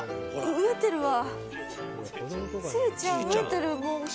飢えてるわ。